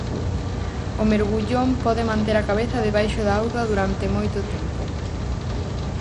O mergullón pode manter a cabeza debaixo da auga durante moito tempo.